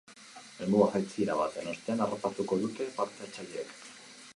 Helmuga jaitsiera baten ostean harrapatuko dute parte-hartzaileek.